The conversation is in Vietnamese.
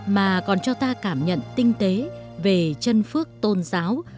mà còn cho ta cảm nhận tinh tế về chân phước tôn giáo